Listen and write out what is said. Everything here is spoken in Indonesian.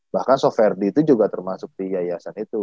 bahkan soferdi itu juga termasuk di yayasan itu